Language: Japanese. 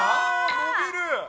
伸びる。